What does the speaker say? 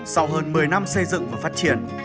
sau hơn một mươi năm xây dựng và phát triển